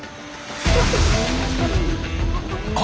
あ！